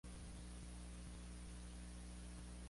Muchos usuarios de internet respondieron al incidente.